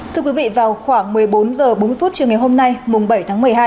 thưa quý vị vào khoảng một mươi bốn h bốn mươi chiều ngày hôm nay mùng bảy tháng một mươi hai